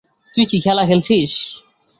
তুই কি খেলা খেলছিস?